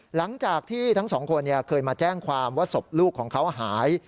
หลังจากที่ทั้งสองคนเคยมาแจ้งความว่าศพลูกของเขาหาย